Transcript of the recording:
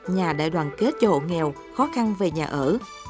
nhà đại đoàn kết cho hộ nghèo khó khăn về nhà ở